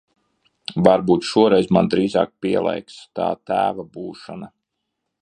Varbūt šoreiz man drīzāk pielēks tā tēva būšana?